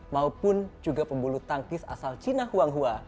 maupun juga pembulu tangkis asal china huanghua